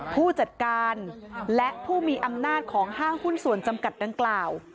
ผู้จัดการและผู้มีอำนาจของห้างหุ้นส่วนจำกัดดังกล่าว